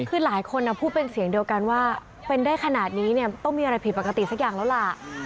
คือหลายคนพูดเป็นเสียงเดียวกันว่าเป็นได้ขนาดนี้เนี่ยต้องมีอะไรผิดปกติสักอย่างแล้วล่ะ